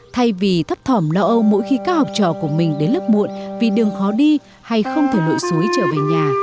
thay vì thấp thỏm lo âu mỗi khi các học trò của mình đến lớp muộn vì đường khó đi hay không thể lội suối trở về nhà